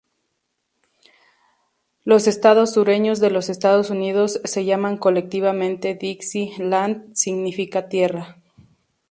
Los estados sureños de los Estados Unidos se llaman colectivamente Dixie "Land" significa "tierra".